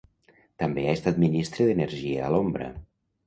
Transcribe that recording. També ha estat ministre d'energia a l'ombra.